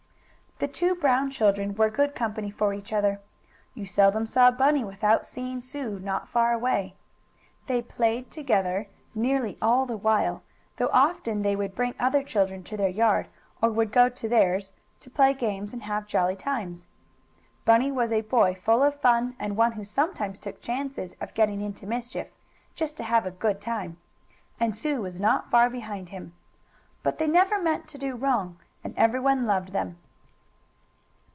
The two Brown children were good company for each other. You seldom saw Bunny without seeing Sue not far away. They played together nearly all the while, though often they would bring other children to their yard, or would go to theirs, to play games, and have jolly times. Bunny was a boy full of fun and one who sometimes took chances of getting into mischief, just to have a "good time." And Sue was not far behind him. But they never meant to do wrong, and everyone loved them.